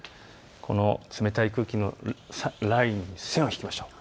この冷たい空気のラインに線を引きましょう。